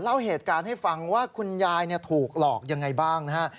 เล่าเหตุการณ์ให้ฟังว่าคุณยายถูกหลอกยังไงบ้างนะฮะ